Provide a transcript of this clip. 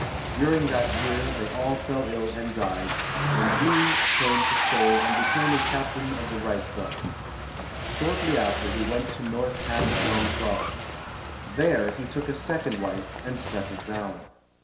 During that year they all fell ill and died, and Yee came to Seoul and became a Captain of the Right Guard. Shortly after he went to North Ham kyong Province. There he took a second wife and settled down.